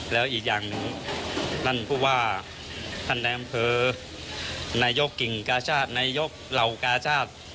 แล้วอีกอย่างหนึ่งนั่นเพราะว่าท่านแดงเผอร์นายกกิงกาชาตินายกเหลากาชาติ